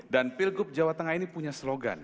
dan pilgub jawa tengah ini punya slogan